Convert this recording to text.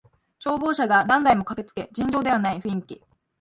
消防車が何台も駆けつけ尋常ではない雰囲気